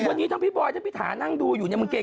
ตอนนี้ทั้งพี่บอยทั้งพี่ถานั่งดูอยู่มันเกรงใจ